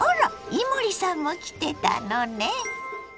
伊守さんも来てたのね。